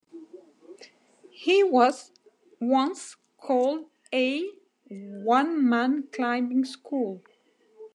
He was once called A one man climbing school.